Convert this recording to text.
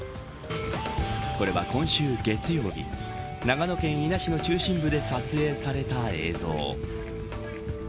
これは、今週月曜日長野県伊那市の中心部で撮影された映像。